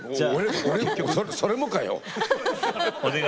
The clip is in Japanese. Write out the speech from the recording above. それもかよ！